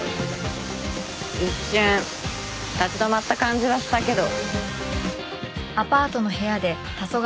一瞬立ち止まった感じはしたけど。